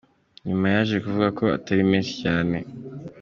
Nyuma yaje kuvuga ko atari menshi cyane.